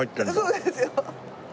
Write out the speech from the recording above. そうですよ。